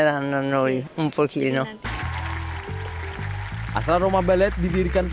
kami akan memberikan